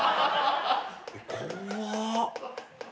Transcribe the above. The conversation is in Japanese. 怖っ！